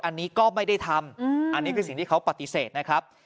อันนี้ก็ไม่ได้ทำอันนี้คือสิ่งที่เขาปฏิเสธนะครับ